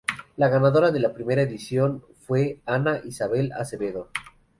La ganadora de la primera edición fue Ana Isabelle Acevedo.